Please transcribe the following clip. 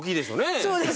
そうですね。